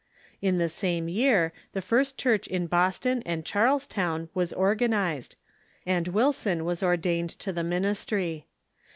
In the same year the first church in Boston and Charlestown was organized, and Wilson was ordained to the ministry.